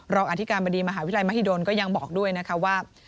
อธิการบดีมหาวิทยาลัยมหิดลก็ยังบอกด้วยนะคะว่า